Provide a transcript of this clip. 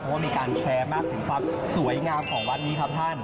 เพราะว่ามีการแชร์มากถึงความสวยงามของวัดนี้ครับท่าน